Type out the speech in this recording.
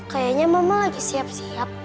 kayaknya mama lagi siap siap